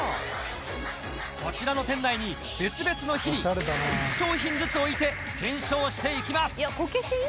こちらの店内に別々の日に１商品ずつ置いて検証していきます。